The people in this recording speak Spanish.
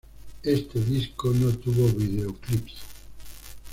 Este disco no tuvo videoclips.